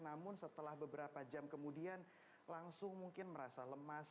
namun setelah beberapa jam kemudian langsung mungkin merasa lemas